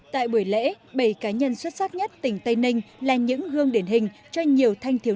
tại buổi lễ bảy cá nhân xuất sắc nhất tỉnh tây ninh là những gương điển hình cho nhiều thanh thiếu